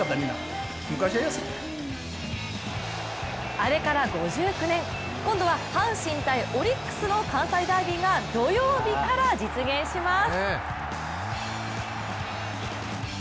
あれから５９年、今度は阪神×オリックスの関西ダービーが土曜日から実現します。